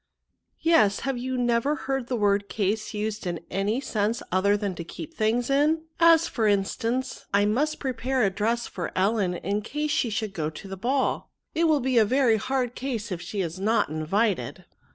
'Yes ; have you never heard the word case used in any sense other than to keep things in? as, for instance, I must prepare a dress for EUen in cate she should go to the ball. N 2 136 NOUNS. It will be a very hard ciue if she is not in vited."